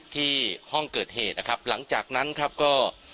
ห้องเกิดเหตุนะครับหลังจากนั้นครับก็